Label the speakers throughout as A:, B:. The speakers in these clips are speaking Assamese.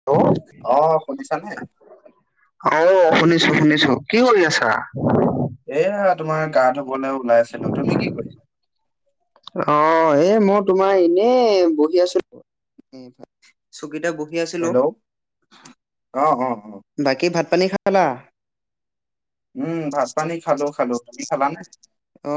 A: হেল্ল',
B: অ, শুনিছা নাই?
A: অ, শুনিছো - শুনিছো কি কৰি আছা?
B: এয়া তোমাৰ গাঁত সকলে ওলাই আছিলো তুমি কি কৰিছা?
A: অ, এ মই তোমাৰ এনে বহি আছো চকীত ব
B: হেল্ল', অ', অ', অ',
A: বাকী ভাত পানী খালা?
B: উম, ভাত পানী খালো - খালো। তুমি খালা নে?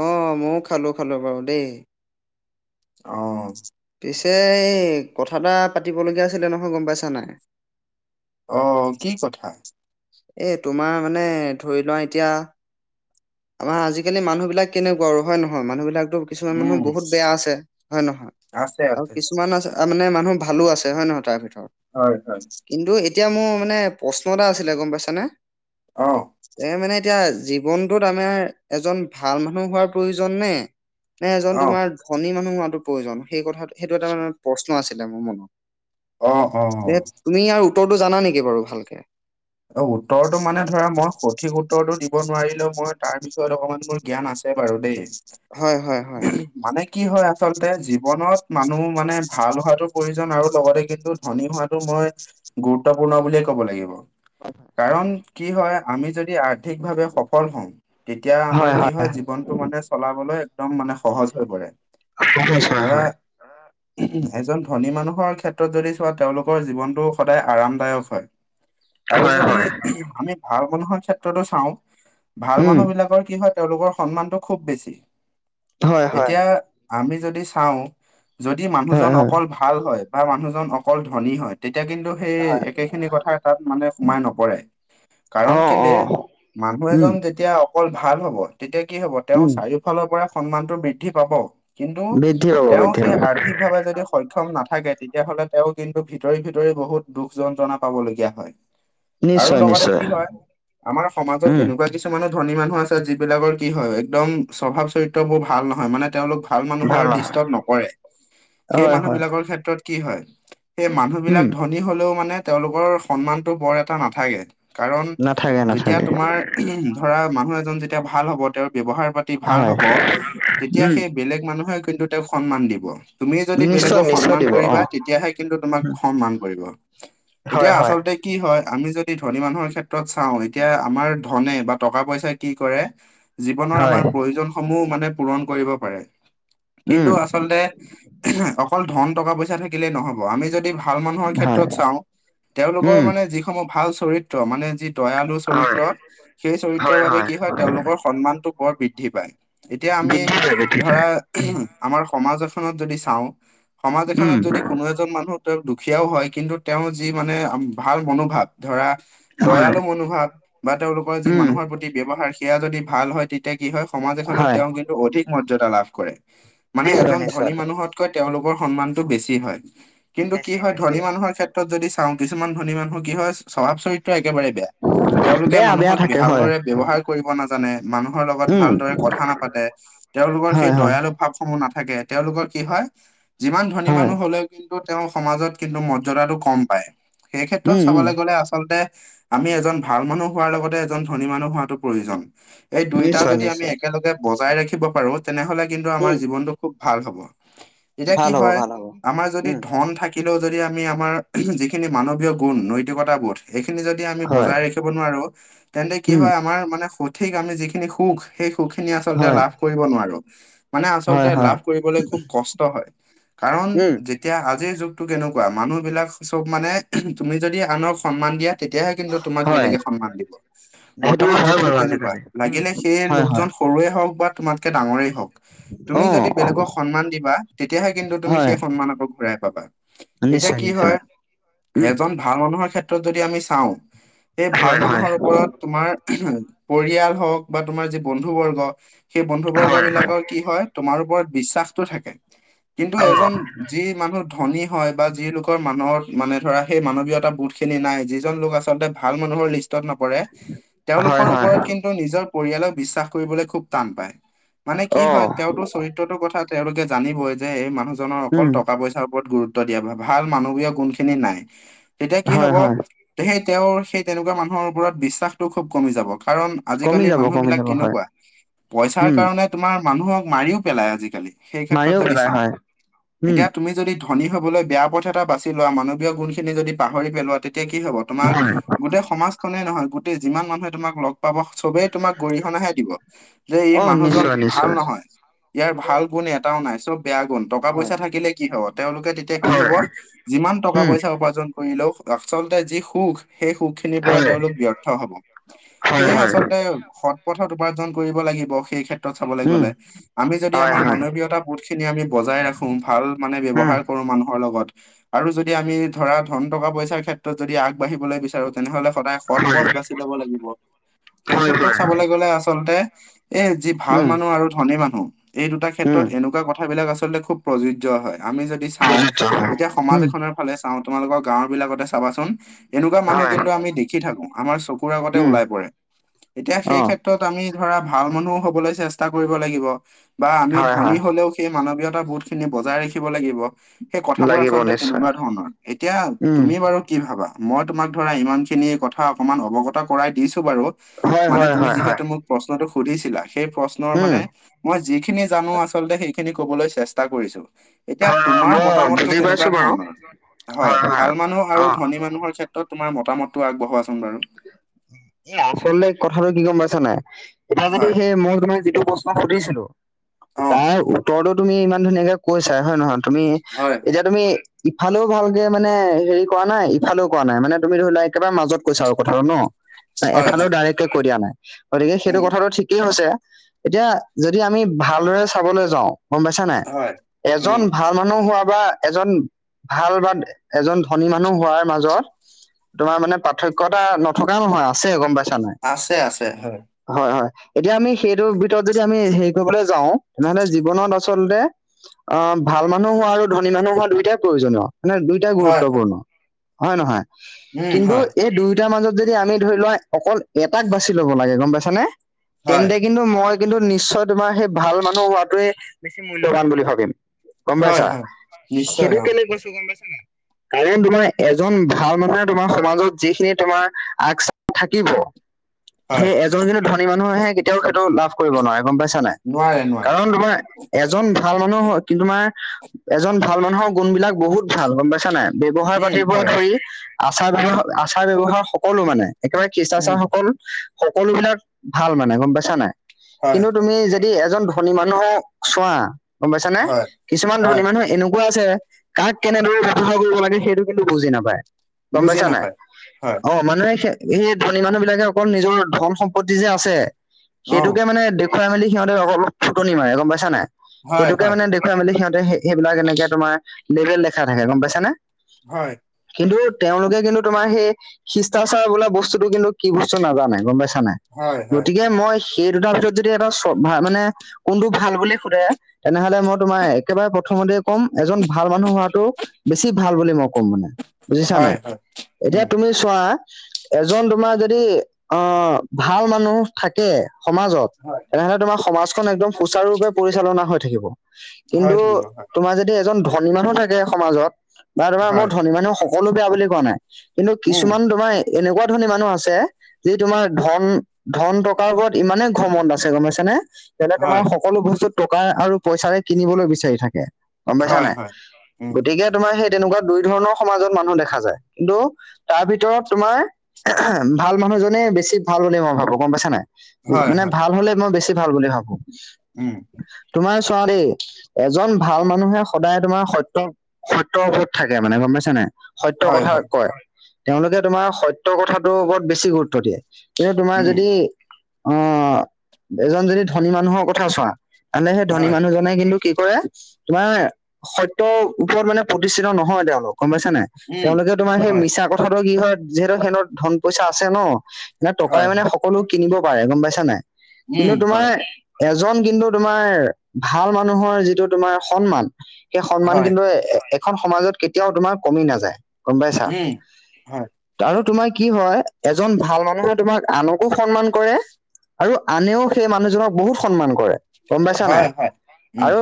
A: অ, ময়ও খালো-খালো বাৰু দেই।
B: অ
A: এ এই কথা এটা পাতিবলগীয়া আছিলে নহয় গম পাইছা নাই।
B: অ, কি কথা?
A: এ তোমাৰ মানে ধৰি লোৱা এতিয়া আমাৰ আজিকালি মানুহ বিলাক কেনেকুৱা আৰু হয় নহয় মানুহ বিলাকতো কিছুমান মানুহ
B: উম
A: বহুত বেয়া আছে হয় নহয়
B: আছে
A: আৰু
B: আছে
A: কিছুমান আছে তাৰ মানে মানুহ ভালো আছে হয় নহয় তাৰ ভিতৰত
B: হয়-হয়।
A: কিন্তু এতিয়া মোৰ মানে প্ৰশ্ন এটা আছিলে গম পাইছানে?
B: অ',
A: এ মানে এতিয়া জীৱনটোত আমাৰ এজন ভাল মানুহ হোৱাৰ প্ৰয়োজন নে নে এজন
B: অ
A: তোমাৰ ধনী মানুহ হোৱাটো প্ৰয়োজন সেই কথা সেইটো এটা মানে প্ৰশ্ন আছিলে মোৰ মনত?
B: অ', অ',
A: এ তুমি ইয়াৰ উত্তৰটো জানা নেকি বাৰু ভালকে?
B: অ, উত্তৰটো মানে ধৰা মই সঠিক উত্তৰটো দিব নোৱাৰিলেও মই তাৰ বিষয়ত অকণমান মোৰ জ্ঞান আছে বাৰু দেই।
A: হয়-হয়-হয়।
B: মানে কি হয় আচলতে জীৱনত মানুহ মানে ভাল হোৱাটো প্ৰয়োজন আৰু লগতে কিন্তু শনি হোৱাটো মই গুৰুত্বপূৰ্ণ বুলিয়ে ক'ব লাগিব।
A: [inaudible]
B: কাৰণ কি হয় আমি যদি আৰ্থিকভাৱে সফল হওঁ তেতিয়া আমাৰ কি হয় জীৱন টো মানে চলাবলৈ একদম মানে সহজ হৈ পৰে
A: নিশ্চয়
B: ধৰা
A: হয়।
B: এজন ধনী মানুহৰ ক্ষেত্ৰত যদি চোৱা তেওঁলোকৰ জীৱনটো সদায় আৰামদায়ক হয়। আৰু যদি আমি ভাল মানুহৰ ক্ষেত্ৰতো চাও কাও ভাল
A: উম
B: মানুহ বিলাকৰ কি হয় তেওঁলোকৰ সন্মানটো খুব বেছি
A: হয় হয়
B: এতিয়া আমি যদি চাও। যদি
A: হয়
B: মানুহজন
A: হয়
B: অকল ভাল হয় বা মানুহজন অকল ধনী হয় তেতিয়া কিন্তু সেই একেখিনি কথাই তাত মানে সোমাই নপৰে
A: অ
B: কাৰণ
A: অ
B: কেলে মানুহ
A: উম
B: এজন যেতিয়া অকল ভাল হব তেতিয়া কি হব তেওঁ
A: উম।
B: চাৰিওফালৰ পৰা সন্মানটো বৃদ্ধি পাব, কিন্তু
A: বৃদ্ধি পাব
B: তেওঁ
A: বৃদ্ধি
B: সেই
A: পাব
B: আৰ্থিক সঠিকভাৱে যদি সক্ষম নাথাকে তেতিয়াহ'লে তেওঁ কিন্তু ভিতৰি ভিতৰি বহুত দুখ যন্ত্ৰণা পাবলগীয়া হয়। আৰু
A: নিশ্চয়
B: লগতে
A: নিশ্চয়।
B: কি হয় আমাৰ সমাজত
A: উম
B: এনেকুৱা কিছুমান মানে ধনী মানুহ আছে যিবিলাকৰ কি হয় একদম স্বভাৱ চৰিত্ৰবোৰ ভাল নহয় মানে তেওঁলোক ভাল মানুহৰ দৃষ্টত নপৰে সেই
A: হয় হয়
B: মানুহবিলাকৰ ক্ষেত্ৰত কি হয়? সেই মানুহবিলাক
A: উম।
B: ধনী হলেও মানে তেওঁলোকৰ সন্মানটো বৰ এটা নাথাকে। কাৰণ
A: নাথাকে
B: যেতিয়া
A: নাথাকে
B: তোমাৰ ধৰা মানুহ এজন যেতিয়া ভাল হ'ব তেওঁৰ ব্যৱহাৰ পাতি ভাল
A: হয়
B: হব, তেতিয়া
A: উম
B: সেই বেলেগ মানুহে কিন্তু তেওঁক সন্মান দিব। তুমি যদি
A: নিশ্চয়
B: বেলেগক
A: নিশ্চয়
B: সন্মান
A: দিব অ।
B: কৰিবা তেতিয়াহে কিন্তু তোমাক সন্মান কৰিব। এতিয়া
A: হয় হয়।
B: আচলতে কি হয় আমি যদি ধনী মানুহৰ ক্ষেত্ৰত চাও এতিয়া আমাৰ ধনে বা টকা পইচা কি কৰে জীৱনৰ
A: হয়
B: আমাৰ প্ৰয়োজনসমূহ মানে পূৰণ কৰিব পাৰে, কিন্তু
A: উম
B: আ আচলতে অকল ধন টকা-পইচা থাকিলেই নহব আমি যদি ভাল মানুহৰ
A: হয়
B: ক্ষেত্ৰত চাঁও তেওঁলোক
A: উম
B: যিসমূহ ভাল চৰিত্ৰ মানে যি দয়ালু
A: হয়
B: চৰিত্ৰ সেই চৰিত্ৰৰ বাবে কি হয় তেওঁলোকৰ সন্মানটো বৰ বৃদ্ধি পায় এতিয়া আমি
A: বৃদ্ধি পায় বৃদ্ধি
B: ধৰা
A: পায়
B: আমাৰ সমাজ এখনত যদি চাওঁ সমাজ
A: উম
B: এখনত যদি কোনো এজন এজন মানুহ তেওঁ দুখীয়াও হয় কিন্তু তেওঁ যি মানে ভাল মনোভাৱ ধৰা
A: হয়
B: দয়ালু মনোভাৱ বা তেওঁলোকৰ যি
A: উম
B: মানুহৰ প্ৰতি ব্যৱহাৰ সেয়া যদি ভাল হয় তে তেতিয়া কি হয় সমাজ এখনত
A: হয়
B: তেওঁ কিন্তু অধিক মৰ্যাদা লাভ কৰে, মানে
A: নিশ্চয়
B: এজন
A: নিশ্চয়
B: ধনী মানুহত কৈ তেওঁলোকৰ সন্মানটো বেছি হয় কিন্তু কি
A: বেছি
B: হয়
A: বেছি
B: ধনী মানুহৰ ক্ষেত্ৰত যদি চাওঁ কিছুমান ধনী মানুহৰ কি হয় স্বভাৱ চৰিত্ৰ একেবাৰে বেয়া। তেওঁলোকে
A: বেয়া বেয়া
B: মানুহক
A: থাকে হয়
B: ভালদৰে ব্যৱহাৰ কৰিব নাজানে মানুহৰ লগত
A: উম
B: ভালদৰে কথা নাপাতে তেওঁলোকৰ
A: হয়
B: সেই
A: হয়
B: দয়ালু ভাৱসমূহ নাথাকে তেওঁলোকৰ কি হয়, যিমান ধনী
A: হয়
B: মানুহ হলেও তেওঁৰ সমাজত কিন্তু মৰ্যদাটো কম পায় সেই ক্ষেত্ৰত
A: উম উম
B: চাবলৈ গ'লে আচলতে আমি এজন ভাল মানুহ হোৱাৰ লগতে এজন ধনী মানুহ হোৱাটো প্ৰয়োজন, এই দুইটা
A: নিশ্চয়
B: যদি আমি
A: নিশ্চয়
B: একেলগে বজাই ৰাখিব পাৰো তেনেহ'লে কিন্তু আমাৰ
A: উম
B: জীৱনটো খুব ভাল হ'ব। এতিয়া কি
A: ভাল হ'ব
B: হয়
A: ভাল হ'ব
B: আমাৰ যদি
A: উম
B: ধন থাকে লেওঁ যদি আমি আমাৰ যিখিন মানবীয় গুণ নৈতিকতাবোধ সেইখিনি যদি আমি
A: হয়
B: বজাই ৰাখিব নোৱাৰো তেন্তে কি
A: উম
B: হয় আমাৰ মানে সঠিক আমি যিখিনি সুখ সেই সুখখিনি আচলতে
A: হয়
B: লাভ কৰিব নোৱাৰো মানে
A: হয়
B: আচলতে
A: হয়
B: লাভ কৰিবলৈ খুব কষ্ট হয়, কাৰণ
A: উম
B: যে তিয়া আজিৰ যুগটো কেনেকুৱা মানুহবিলাক চব মানে তুমি যদি আনক সন্মান দিয়া তেতিয়াহে কিন্তু তোমাক
A: হয়
B: বেলেগে সন্মান দিব।
A: সেইটো
B: বৰ্তমান
A: হয়
B: যুগটো
A: বাৰু
B: তেনেকুৱা
A: আজিকালি উম
B: লাগিলে সেই
A: হয় হয়
B: লোকজন সৰুৱে হওঁক বা তোমাতকে ডাঙৰেই হওঁক। তুমি
A: অ
B: যদি বেলেগক সন্মান দিবা তেতিয়াহে কিন্তু তুমি
A: হয়
B: সেই সন্মান আকৌ ঘূৰাই পাবা। এতিয়া
A: নিশ্চয়
B: কি
A: নিশ্চয়।
B: হয়
A: উম
B: এজন ভাল মানুহৰ ক্ষেত্ৰত যদি আমি চাওঁ, সেই ভাল
A: হয় হয়
B: মানুহৰ ওপৰত তোমাৰ পৰিয়াল হওঁক বা তোমাৰ যি বন্ধুবৰ্গ সেই
A: হয়
B: বন্ধুবৰ্গবিলাকৰ কি হয় তোমাৰ ওপৰত বিশ্বাসটো থাকে কিন্তু
A: অ
B: এজন যি মানুহ ধনী হয় বা যি লোকৰ মানুহৰ মানে ধৰা সেই মানৱীয়তা বোধখিনি নাই যিজন লোকৰ আচলতে ভাল মানুহৰ লিষ্ট ত নপৰে
A: হয়
B: তেওঁলোকৰ
A: হয়
B: ওপৰত কিন্তু নিজৰ পৰিয়ালক বিশ্বাস কৰিবলৈ খুব টান পায়। মানে কি হয়,
A: অ',
B: তেওঁতো চৰিত্ৰতোৰ কথা তেওঁলোকে জানিবই যে এই মানুহজনৰ অকল
A: উম,
B: টকা- পইচাৰ ওপৰত গুৰুত্ব। গুৰুত্ব দিয়ে বা ভাল মানবীয় গুণখিনি নাই তেতিয়া কি
A: হয়,
B: হ'ব
A: হয়,
B: সেই তেওঁৰ সেই তেনেকুৱা মানুহৰ ওপৰত বিশ্বাসটো খুব কমি যাব কাৰণ
A: কমি
B: আজিকালি
A: যাব, কমি
B: মানুহবিলাক
A: যাব, হয়,
B: কেনেকুৱা পইচাৰ
A: উম,
B: কাৰণে তোমাৰ মানুহক মাৰিও পেলাই আজিকালি। সেই ক্ষেত্ৰত
A: মাৰিও
B: যদি
A: পেলাই
B: চাওঁ
A: হয়, উম,
B: এতিয়া তুমি যদি ধনী হবলৈ বেয়া পথ এটা বাছি লোৱা, মানৱীয় গুণ খিনি যদি পাহৰি পেলোৱা তেতিয়া কি হ'ব তোমাৰ
A: হয়,
B: গোটেই সমাজখনেই নহয়, গোটেই যিমান মানুহে তোমাক লগ পাব চবেই তোমাক গৰিহণাহে দিব যে ই
A: অ',
B: মানুহজন
A: নিশ্চয়,
B: ভাল
A: নিশ্চয়,
B: নহয়। ইয়াৰ ভাল গুণ এটাও নাই, চব বেয়া গুণ। টকা
A: হয়,
B: -পইচা থাকিলে কি হব তেওঁলোকে তেতিয়া কি
A: হয়,
B: হব যিমান টকা -
A: উম,
B: পইছা উপাৰ্জন কৰিলেও আচলতে যি সুখ সেই সুখ খিনিৰ পৰা
A: হয়,
B: তেওঁলোক ব্যৰ্থ হব
A: হয়,
B: সেয়ে
A: হয়,
B: আচলতে সৎ পথত উপাৰ্জন কৰিব লাগিব, সেই ক্ষেত্ৰত চাবলৈ
A: উম,
B: গ'লে। আমি যদি
A: হয়,
B: আমাৰ
A: হয়,
B: মানৱীয়তা বহুত খিনি আমি বজাই ৰাখো ভাল মানে
A: উম,
B: ব্যৱহাৰ কৰো মানুহৰ লগত আৰু যদি আমি ধৰা ধন- টকা পইচাৰ ক্ষেত্ৰত যদি আগবাঢ়িবলৈ বিচাৰো তেনেহ'লে সদায় সৎ
A: হয়,
B: পথ বাচ লব লাগিব। সেই
A: হয়,
B: ক্ষেত্ৰত
A: হয়,
B: চাবলৈ গ'লে আচলতে এ যি ভাল
A: উম,
B: মানুহ আৰু ধনী মানুহ এই দুটা
A: উম,
B: ক্ষেত্ৰত এনেকুৱা কথাবিলাক আচলতে খুব প্ৰযোজ্য হয় আমি যদি চাওঁ
A: প্ৰযোজ্য হয়,
B: এতিয়া সমাজ
A: উম,
B: এখনৰ ফালে চাওঁ তোমালোকৰ গাঁওৰ বিলাকতে চাবাচোন এনেকুৱা মানুহ
A: হয়,
B: কিন্তু আমি দেখি থাকো আমাৰ চকুৰ আগতে
A: উম,
B: ওলাই পৰে এতিয়া সেই
A: অ',
B: ক্ষেত্ৰ ত, আমি ধৰা ভাল মানুহ হ'বলৈ চেষ্টা কৰিব লাগিব বা আমি
A: হয়,
B: ধনী
A: হয়,
B: হ'লেও সেই মানৱীয়তা বোধ খিনি বজাই ৰাখিব লাগিব। সেই কথাবোৰ
A: লাগিব
B: আচলতে
A: নিশ্চয়,
B: তেনেকুৱা ধৰ ণৰ, এতিয়া
A: উম,
B: তুমি বাৰু কি ভাবা মই তোমাক ধৰা ইমান খিনি কথা অকমান অৱগত কৰাই দিছো বাৰু।
A: হয়,
B: মানে
A: হয়,
B: তুমি
A: হয়, হয়,
B: যিহেতু মোক প্ৰশ্নটো সুধিছিলা, সেই প্ৰশ্নৰ
A: উম,
B: মানে মই যিখিনি জানো আচলতে সেইখিনি কবলৈ চেষ্টা কৰিছো। এতিয়া
A: হয়, হয়,
B: তোমাৰ
A: মই
B: মতামতটো
A: বুজি
B: কেনেকুৱা
A: পাইছো বাৰু,
B: ধৰণৰ? হয়, ভাল মানুহ আৰু
A: অ',
B: ধনী মানুহৰ ক্ষেত্ৰত তোমাৰ মতামতটো আগবঢ়োৱাচোন বাৰু?
A: এ! আচলতে কথাটো কি গম পাইছা নাই এতিয়া যদি
B: হয়
A: সেই মই তোমাৰ যিটো বস্তু মই সুধিছিলোঁ
B: অ
A: তাৰ উত্তৰটো তুমি ইমান ধুনীয়াকে কৈছাই হয় নহয় তুমি
B: হয় হয়
A: এতিয়া তুমি ইফালেও ভালকে মানে হেৰি কৰা নাই ইফালেও কৰা নাই মানে তুমি ধৰি লোৱা একেবাৰে মাজত কৈছা আৰু। কথাটো ন,
B: হয়
A: এফালেও
B: হয়
A: ডাইৰেক্টকে কৈ দিয়া নাই, গতিকে সেইটো
B: উম
A: কথাটো ঠিকেই হৈছে। এতিয়া যদি আমি ভালদৰে চাবলৈ যাওঁ গম পাইছা নাই
B: হয়
A: এজন
B: উম
A: ভাল মানুহ হোৱা বা এজন ভাল বা এজন ধনী মানুহ হোৱাৰ মাজত তোমাৰ মানে পাৰ্থক্য এটা নথকা নহয় আছে গম পাইছা নাই?
B: আছে আছে হয়
A: হয়, হয়। এতিয়া আমি সেইটোৰ ভিতৰত যদি আমি হেৰি কৰিবলৈ যাওঁ তেনেহলে জীৱনত আচলতে অ' ভাল মানুহ হোৱা আৰু ধনী মানুহ হোৱা দুইটাই প্ৰয়োজনীয় মানে দুইটাই
B: হয় হয়
A: গুৰুত্বপূৰ্ণ। হয় নহয়
B: উম
A: কিন্তু
B: হয়
A: এই দুয়োটাৰ মাজত যদি আমি ধৰি লোৱা অকল এটাক বাচি ল'ব লাগে গম পাইছানে।
B: হয়
A: তেন্তে কিন্তু মই কিন্তু নিশ্চয় তোমাৰ সেই ভাল মানুহ হোৱাটোৱে বেছি মূল্যবান বুলি ভাবিম। গম
B: হয়
A: পাইছা
B: হয় নিশ্চয়
A: সেইটো
B: অ
A: কেলে কৈছো গম পাইছা নাই? কাৰণ তোমাৰ এজন ভাল মানুহে তোমাৰ সমাজত যিখিনি তোমাৰ আগ চাপি থাকিব
B: হয়
A: সেই এ যোনখিনি ধনী মানুহ আহে কেতিয়াও এইটো লাভ কৰিব নোৱাৰে গম পাইছা নাই
B: নোৱাৰে নোৱাৰে
A: কাৰণ তোমাৰ এজন ভাল মানুহ কিন্তুমাৰ এজন ভাল মানুহৰ গুণ বিলাক বহুত ভাল গম পাইছা নাই। ব্যৱহাৰ
B: উম
A: পাতিৰ পৰা
B: হয়
A: ধৰি আচাৰ -ব্যৱহ, আচাৰ- ব্যৱহাৰ সকলো মানে একেবাৰে।
B: উম
A: শিষ্টাচাৰ সকল সকলো বিলাক ভাল মানে গম পাইচা নাই
B: হয়
A: কিন্তু তুমি যেদ দি এজন ধনী মানুহক চোৱা গম পাইছানে,
B: হয়
A: কিছুমান ধনী
B: হয়
A: মানুহ এনকুৱা আছে। কাক কেনেদৰে ব্যৱহাৰ কৰিব লাগে সেইটো কিন্তু বুজি নাপায়।
B: বুজি নাপায়। হয়
A: অ‌' মানুহে সে সেই ধনী মানুহ বিলাকে অকল নিজৰ ধন সম্পত্তি যে আছে।
B: অ
A: সেইটোকে মানে দেখুৱাই মেলি সিহঁতে অলপ ফুটনি মাৰে গম পাইছা নাই
B: হয়
A: সেইটোকে
B: হয়
A: মানে দে খুৱাই মেলি সিহঁতে সে সেইবিলাক এনেকে তোমাৰ লেভেল দেখা থাকে গম পাইছা নে।
B: হয়।
A: কিন্তু তেওঁলোকে কিন্তু তোমাৰ সেই শিষ্টাচাৰ বোলা বস্তুটো কিন্তু কি বস্তু নাজানে গম পাইছা নাই।
B: হয় হয়
A: গতিকে মই সেই দুটাৰ ভিতৰত যদি এটা চভাব মানে কোনটো ভাল বুলি সোধে তেনেহ'লে মই তোমাৰ একেবাৰে প্ৰথমতে কম এজন ভাল মানুহ হোৱাটো বেছি ভাল বুলি মই ক'ম মানে। বুজিছা নাই।
B: হয় হয়।
A: এতিয়া
B: উম
A: তুমি চোৱা এজন তোমাৰ যদি অঁহ ভাল মানুহ থাকে সমাজত
B: হয়
A: তেনেহ'লে তোমাৰ সমাজখন একদম সুচাৰুৰূপে পৰিচালনা হৈ থাকিব।
B: হয়
A: কিন্তু
B: থাকিব হয়
A: তোমাৰ যদি এজন ধনী মানুহ থাকে সমাজত বা তোমাৰ
B: হয়
A: মোৰ ধনী মানুহ সক সকলো বেয়া বুলি কোৱা নাই কিন্তু
B: উম
A: কিছুমান তোমাৰ এনেকুৱা ধণী মানুহ আছে যি তোমাৰ ধন ধন টকাৰ উপৰত ইমানেই ঘমণত আছে গম পাইছে নে। সিহতে তোমাৰ
B: হয়
A: সকলো বস্তু টকাৰ আৰু পইচাৰে কিনিবলৈ বিচাৰি থাকে। গম পাইছা
B: হয়
A: নাই?
B: হয় উম
A: গতিকে তোমাৰ সেই তেনেকুৱা দুই ধৰণৰ সমাজত মানুহ দেখা যায়। কিন্তু তাৰ ভিতৰত তোমাৰ এহে ভাল মানুহজনেই বেছি ভাল বুলি মই ভাবো গম পাইছা নাই।
B: হয়
A: মানে
B: হয়
A: ভাল হ'লে মই বেছি ভাল বুলি ভাবোঁ।
B: উম।
A: তোমাৰ চোৱা দেই এজন ভাল মানুহে সদায় তোমাৰ সত্য সত্যৰ ওপৰত থাকে মানে গম পাইছে নাই। সত্য
B: হয়
A: কথা
B: হয়
A: কয়। তেওঁলোকে তোমাৰ সত্য কথাটোৰ ওপৰত বেছি গুৰুত্ব দিয়ে। কিন্তু তোমাৰ
B: উম
A: যদি অ' এজন যদি ধনী মানুহৰ কথা চোঁৱা। এনে সেই ধনী
B: হয়
A: মানুহজন। মানে কিন্তু কি কৰে তোমাৰ সত্যৰ ওপৰত মানে প্ৰতিষ্ঠিত নহয় তেওঁলোক গম পাইছা নাই?
B: উম
A: তেওঁলোকে তোমাৰ সেই
B: হয়
A: মিছা কথাটো কি হয় যিহেতু সেহঁতৰ ধন পইচা আছে ন না টকাই
B: হয়
A: মানে সকলো কিনিব পাৰে গম পাইছা নাই।
B: উম
A: কিন্তু তোমাৰ
B: হয়
A: এজন কিন্তু তোমাৰ ভাল মানুহৰ যিটো তোমাৰ সন্মান। সেই সন্মান
B: হয়
A: কিন্তু এখন সমাজত কেতিয়াও তোমাৰ কমি নাযায়। গম পাইছা?
B: উম হয়
A: আৰু তোমাৰ কি হয় এজন ভাল মানুহে তোমাক আনক কো সন্মান কৰে আৰু আনেও সেই মানুহজনক বহুত সন্মান কৰে। গম পাইছা নাই আৰু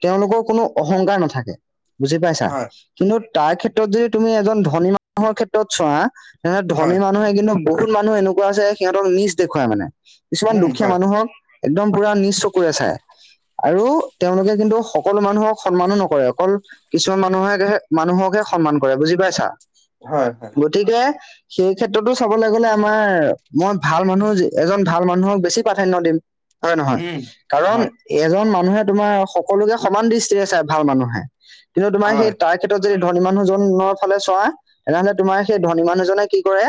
A: তেওঁলোকৰ কোনো অহংকাৰ নাথাকে। বুজি পাইছা? কিন্তু তাৰ ক্ষেত্ৰত যদি তুমি এজন ধনী মানুহৰ ক্ষেত্ৰত চোৱা। সিহঁতে ধনী মানুহে কিন্তু বহুত মানুহ এনেকুৱা আছে সিহঁতক নিচ দেখুৱাই মানে। কিছুমান দুখীয়া মানুহক একদম পুৰা নিচ চকুৰে চাই। আৰু তেওঁলোকে কিন্তু সকলো মানুহক সন্মানো নকৰে অকল কিছুমান মানুহে মানুহকহে সন্মান কৰে বুজি পাইছা।
B: হয় হয়।
A: গতিকে সেই ক্ষেত্ৰতো চাবলৈ গ'লে আমাৰ মই ভাল মানুহ এজন ভাল মানুহক বেছি প্ৰাধান্য দিম। হয় নহয় কাৰণ এজন মানুহে তোমাৰ সকলোকে সমান দৃষ্টিৰে চাই ভাল মানুহে কিন্তু তোমাৰ সেই তাৰ ক্ষেত্ৰত যদি ধনী মানুহজনৰ ফালে চোৱা তেনেহ'লে তোমাৰ সেই ধনী মানুহজনে কি কৰে।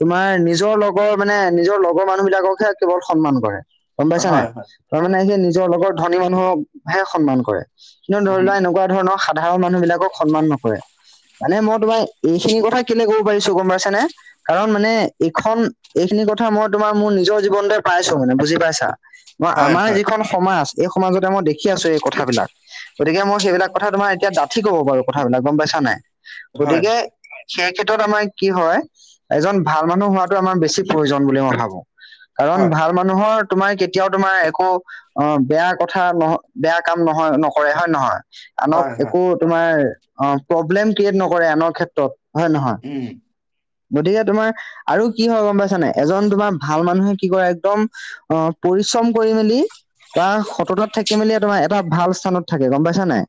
A: তোমাৰ নিজৰ লগৰ মানে নিজৰ লগৰ মানুহ বিলাককহে কেৱল সন্মান কৰে। গম পাইছা নাই তাৰ মানে সি নিজৰ লগৰ ধনী মানুহকহে সন্মান কৰে। কিন্তু ধৰি লোৱা এনেকুৱা ধৰণৰ সাধাৰণ মানুহ বিলাকক সন্মান নকৰে। মানে মই তোমাৰ এইখিনি কথা কেলে ক'ব পাৰিছো গম পাইছানে? কাৰণ মানে এইখন এইখিনি কথা মই তোমাৰ মোৰ নিজৰ জীৱনতে পাইছো মানে বুজি পাইছা। মই আমাৰ যিখন সমাজ এই সমাজতে মই দেখি আছো এই কথাবিলাক। গতিকে মই সেইবিলাক কথা তোমাৰ এতিয়া ডাঠি ক'ব পাৰো কথাবিলাক গম পাইছা নাই গতিকে সেই ক্ষেত্ৰত আমাৰ কি হয় এজন ভাল মানুহ হোৱাটো আমাৰ বেছি প্ৰয়োজন বুলি মই ভাবোঁ কাৰণ ভাল মানুহৰ তোমাৰ কেতিয়াও তোমাৰ একো অ বেয়া কথা নহ বেয়া কাম নহয় নকৰে হয় নে নহয়। আনক একো তোমাৰ অ প্ৰব্লেম ক্ৰিয়েট নকৰে আনৰ ক্ষেত্ৰত। হয় নহয়। গতিকে তোমাৰ আৰু কি হয় গম পাইছানে এজন তোমাৰ ভাল মানুহে কি কৰে একদম অ পৰিশ্ৰম কৰি মেলি বা সততাত থাকি মেলি তোমাৰ এটা ভাল স্থানত থাকে গম পাইছা নাই।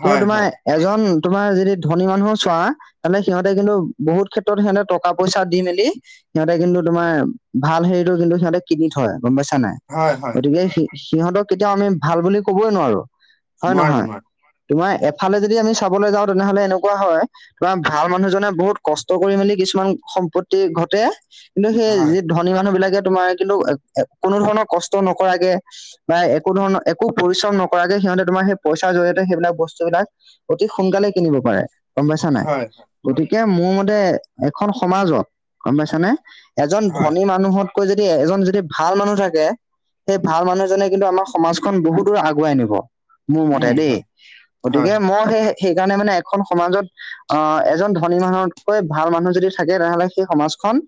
A: কিন্তু তোমাৰ এজন তোমাৰ যি যদি ধনী মানুহো চোৱা তেনে সিহঁতে কিন্তু বহুত ক্ষেত্ৰত সিহঁতে টকা পইচা দি মেলি সিহঁতে কিন্তু তোমাৰ ভাল হেৰিটো কিন্তু সিহঁতে কিনি থয় গম পাইছা নাই। গতিকে সিহঁতক কেতিয়াও আমি ভাল বুলি কবই নোৱাৰো হয় নহয়। তোমাৰ এফালে যদি আমি চাবলৈ যাওঁ তেনেহলে এনেকুৱা হয় ধৰা ভাল মানুহজনে বহুত কষ্ট কৰি মেলি কিছুমান সম্পত্তি ঘটে কিন্তু সেই যি ধ ধনী মানুহ বিলাকে তোমাৰ কিন্তু কোনো ধৰণৰ কষ্ট নকৰাকে বা একো ধৰণৰ একো পৰিশ্ৰম নকৰাকে সিহঁতে তোমাৰ সেই পইচাৰ জৰিয়তে সেইবিলাক বস্তুবিলাক অতি সোনকালে কিনিব পাৰে গম পাইছা নাই। গতিকে মোৰ মতে এখন সমাজত গম পাইছানে এজন ধনী মানুহত কৈ যদি এজন যদি ভাল মানুহ থাকে সেই ভাল মানুহজনে কিন্তু আমাৰ সমাজখন বহুত দূৰ আগুৱাই নিব। মোৰ মতে দেই গতিকে মই সেই সেইকাৰণে মানে এখন সমাজত আহ এজন ধনী মানুহতকৈ ভাল মানুহ যদি থাকে তেনেহলে সেই সমাজখন